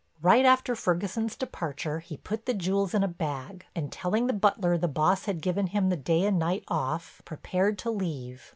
Right after Ferguson's departure he put the jewels in a bag, and, telling the butler the boss had given him the day and night off, prepared to leave.